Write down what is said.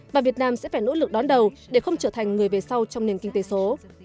và việt nam sẽ phải nỗ lực đón đầu để không trở thành người về sau trong nền kinh tế số